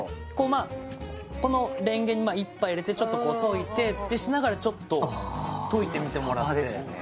まあこのレンゲに１杯入れてちょっと溶いてってしながらちょっと溶いてみてもらってああ鯖ですね